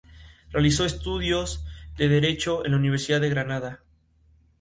Realizó estudios de derecho en la Universidad de Granada.